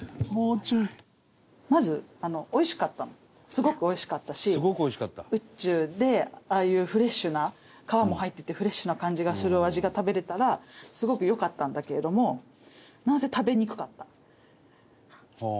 すごくおいしかったし宇宙でああいうフレッシュな皮も入っててフレッシュな感じがするお味が食べられたらすごく良かったんだけれどもなんせ食べにくかった。